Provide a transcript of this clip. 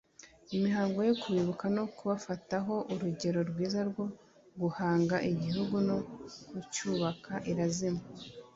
imihango yo kubibuka no kubafataho urugero rwiza rwo guhanga igihugu no kucyubaka irazima